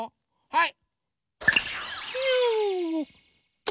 はい。